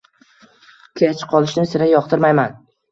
Kech qolishni sira yoqtirmayman.